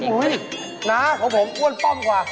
อุ๊ยนะเพราะผมอ้วนป้องกว่า